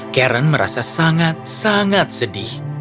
karen merasa sangat sangat sedih